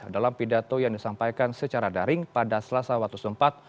dalam pidato yang disampaikan secara daring pada selasa waktu setempat